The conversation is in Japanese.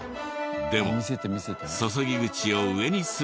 でも注ぎ口を上にすると。